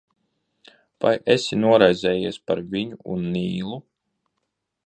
Vai esi noraizējies par viņu un Nīlu?